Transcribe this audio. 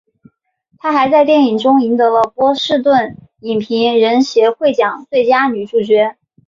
她还在电影中赢得了波士顿影评人协会奖最佳女主角。